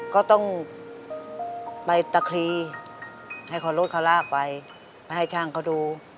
ก็ต้องไปตะคลีให้เขารถเขาลากไปไปให้ช่างเขาดู